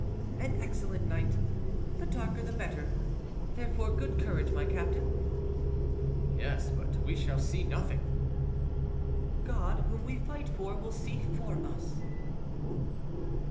"An excellent night: the darker the better. Therefore, good courage, my captain." "Yes, but we shall see nothing." "God, whom we fight for, will see for us."